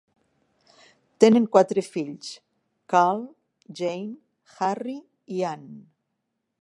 Tenen quatre fills: Carl, Jane, Harry i Ann.